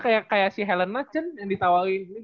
soalnya kayak si helen natchen yang ditawarin